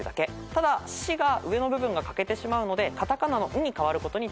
ただ「シ」が上の部分が欠けてしまうのでカタカナの「ン」に変わることに注意です。